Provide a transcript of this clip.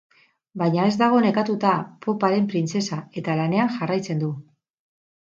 Baina ez dago nekatuta poparen printzesa, eta lanean jarraitzen du.